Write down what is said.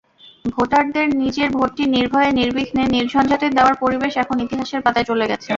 ভোটারদের নিজের ভোটটি নির্ভয়ে-নির্বিঘ্নে-নির্ঝঞ্ঝাটে দেওয়ার পরিবেশ এখন ইতিহাসের পাতায় চলে গেছে।